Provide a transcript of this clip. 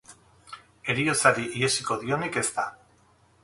Heriotzari ihesiko dionik ez da.